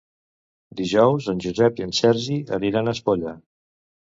Dijous en Josep i en Sergi aniran a Espolla.